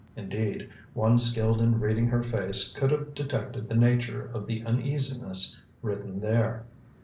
Indeed, one skilled in reading her face could have detected the nature of the uneasiness written there.